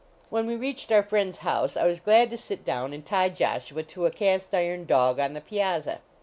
When we reached our friend s house, I was glad to sit down and tie Joshua to a cast iron dog on the piazza.